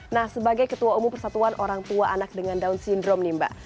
nah sebagai ketua umum persatuan orang tua anak dengan down syndrome nih mbak